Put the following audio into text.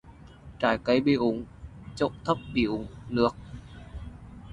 Trái cây bị úng. chỗ thấp bị úng nước